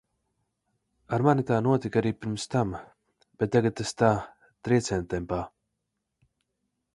Ar mani tā notika arī pirms tam, bet tagad tas tā, triecientempā.